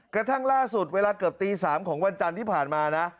กระทั่งล่าสุดเวลาเกือบตี๓ของวันจันทร์ที่ผ่านมานะ